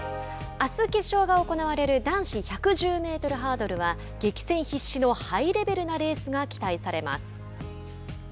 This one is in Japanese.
あす決勝が行われる男子１１０メートルハードルは激戦必至のハイレベルなレースが期待されます。